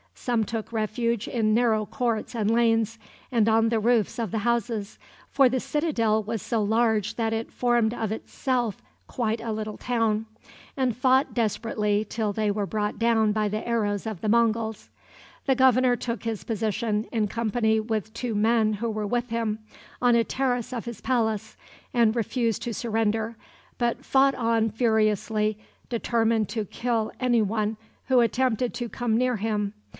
Some took refuge in narrow courts and lanes, and on the roofs of the houses for the citadel was so large that it formed of itself quite a little town and fought desperately till they were brought down by the arrows of the Monguls. The governor took his position, in company with two men who were with him, on a terrace of his palace, and refused to surrender, but fought on furiously, determined to kill any one who attempted to come near him.